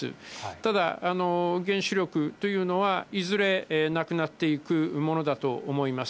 ただ、原子力というのはいずれなくなっていくものだと思います。